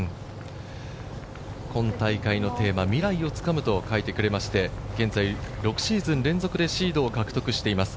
今大会のテーマ「未来を掴む！」と書いてくれまして、現在、６シーズン連続でシードを獲得しています。